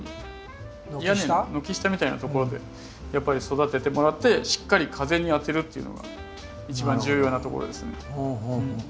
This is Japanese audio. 軒下みたいなところでやっぱり育ててもらってしっかり風に当てるっていうのが一番重要なところですね。